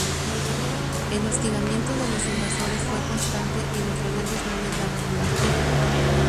El hostigamiento a los invasores fue constante y los rebeldes no les daban cuartel.